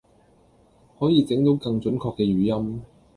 可以整到更準確嘅語音